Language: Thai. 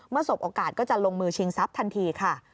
สบโอกาสก็จะลงมือชิงทรัพย์ทันทีค่ะ